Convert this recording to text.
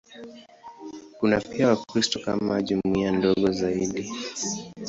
Kuna pia Wakristo kama jumuiya ndogo zaidi.